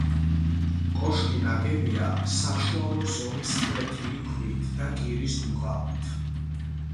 კოშკი ნაგებია საშუალო ზომის ფლეთილი ქვით და კირის დუღაბით.